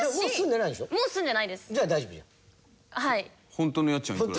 ホントの家賃はいくら？